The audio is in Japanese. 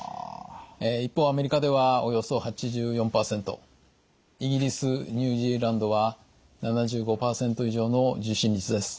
一方アメリカではおよそ８４％イギリスニュージーランドは７５％以上の受診率です。